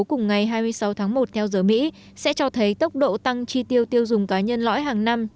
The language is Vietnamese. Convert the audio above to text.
cùng ngày hai mươi sáu tháng một theo giờ mỹ sẽ cho thấy tốc độ tăng chi tiêu tiêu dùng cá nhân lõi hàng năm